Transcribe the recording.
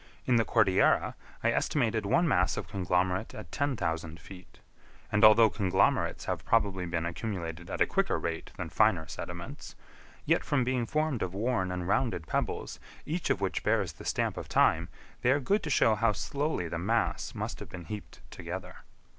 In the Cordillera, I estimated one mass of conglomerate at ten thousand feet; and although conglomerates have probably been accumulated at a quicker rate than finer sediments, yet from being formed of worn and rounded pebbles, each of which bears the stamp of time, they are good to show how slowly the mass must have been heaped together.